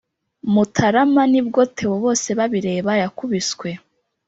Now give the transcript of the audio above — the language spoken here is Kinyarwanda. mutaramani bwo theo bosebabireba yakubiswe